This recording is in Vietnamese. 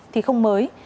thì không mới